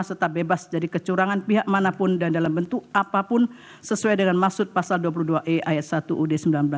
tetap bebas dari kecurangan pihak manapun dan dalam bentuk apapun sesuai dengan maksud pasal dua puluh dua e ayat satu ud seribu sembilan ratus empat puluh lima